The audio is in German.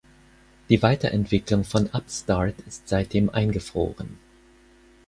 Die Weiterentwicklung von Upstart ist seitdem eingefroren.